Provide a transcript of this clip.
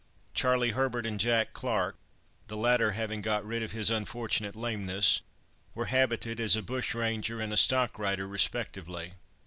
Charlie Herbert and Jack Clarke, the latter having got rid of his unfortunate lameness, were habited as a bushranger and a stock rider, respectively.